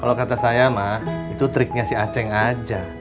kalau kata saya mak itu triknya si acing aja